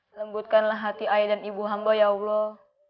lembutkanlah hati ayah dan ibu hamba ya allah